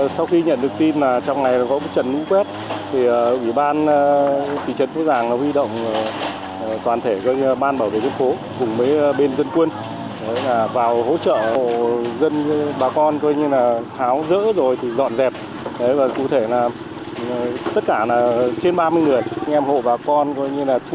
sau khi nhận được tin là trong này có một trận lũ quét thì ủy ban thị trấn vũ giàng huy động toàn thể